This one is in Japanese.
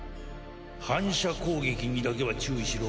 反射攻撃にだけは注意しろ。